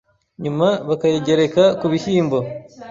nyuma bakayigereka ku bishyimbo